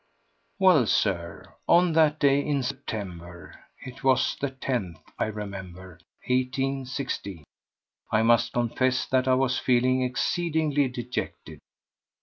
Well, Sir, on that day in September—it was the tenth, I remember—1816, I must confess that I was feeling exceedingly dejected.